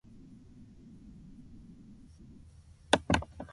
그 의 머리카락이 춘우의 귀를 간질였다.